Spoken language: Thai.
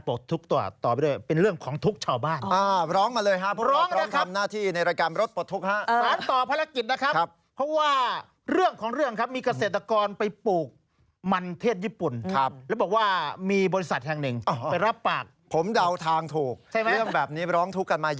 ผมต้องร้องเรียนทั้งสองท่านนะครับ